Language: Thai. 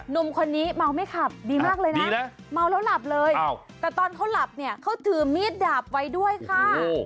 หนุ่มคนนี้เมาไม่ขับดีมากเลยนะเมาแล้วหลับเลยแต่ตอนเขาหลับเนี่ยเขาถือมีดดาบไว้ด้วยค่ะ